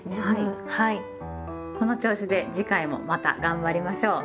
この調子で次回もまた頑張りましょう！